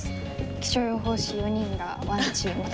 気象予報士４人がワンチームで。